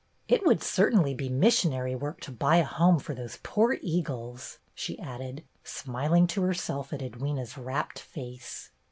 ''It would certainly be missionary work to buy a home for those poor eagles," she added, smiling to herself at Edwyna's rapt face.